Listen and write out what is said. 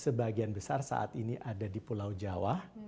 sebagian besar saat ini ada di pulau jawa